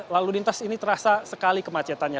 lalu lintas ini terasa sekali kemacetannya